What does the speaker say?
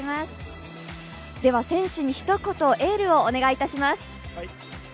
選手に一言、エールをお願いいたします。